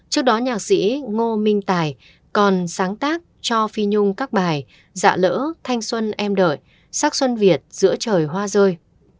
trước đó nhạc sĩ ngô minh tài còn sáng tác cho phi nhung các bài dạ lỡ thanh xuân em đợi sắc xuân việt giữa trời hoa rơi